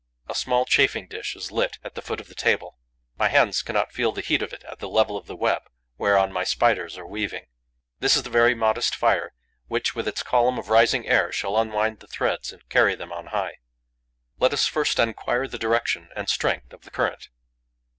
A small chafing dish is lit at the foot of the table. My hands cannot feel the heat of it at the level of the web whereon my Spiders are weaving. This is the very modest fire which, with its column of rising air, shall unwind the threads and carry them on high. Let us first enquire the direction and strength of the current.